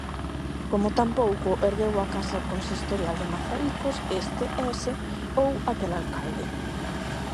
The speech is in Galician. Como tampouco ergueu a casa consistorial de Mazaricos este, ese ou aquel alcalde.